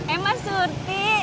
eh mas surti